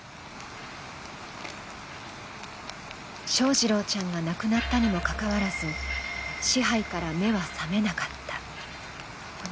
翔士郎ちゃんが亡くなったにもかかわらず支配から目は覚めなかった。